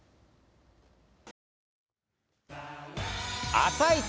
「あさイチ」。